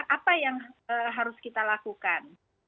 apa yang harus kita lakukan